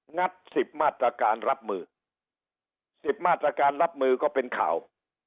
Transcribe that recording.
ัดสิบมาตรการรับมือสิบมาตรการรับมือก็เป็นข่าว